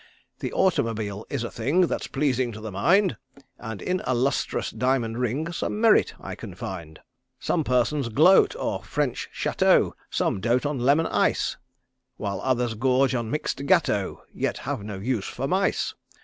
The automobile is a thing That's pleasing to the mind; And in a lustrous diamond ring Some merit I can find. Some persons gloat o'er French Chateaux; Some dote on lemon ice; While others gorge on mixed gateaux, Yet have no use for mice.